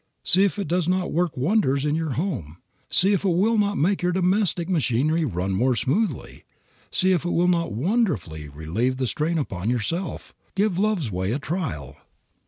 See if it does not work wonders in your home. See if it will not make your domestic machinery run much more smoothly. See if it will not wonderfully relieve the strain upon yourself. Give love's way a trial.